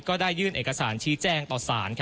ก็ได้ยื่นเอกสารชี้แจงต่อสาร